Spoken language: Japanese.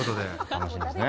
楽しみですね。